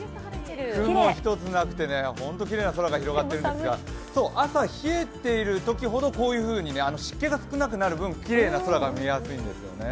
雲一つなくて本当にきれいな空が広がっているんですが朝、冷えているときほどこういうふうに湿気が少なくなる分きれいな空が見えやすいんです。